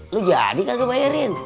lo jadi kagak bayarin